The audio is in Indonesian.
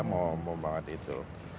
mau banget itu